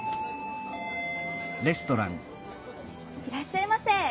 いらっしゃいませ。